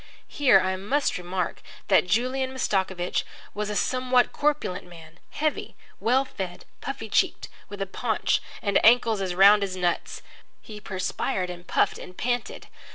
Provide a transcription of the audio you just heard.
Here I must remark that Julian Mastakovich was a somewhat corpulent man, heavy, well fed, puffy cheeked, with a paunch and ankles as round as nuts. He perspired and puffed and panted.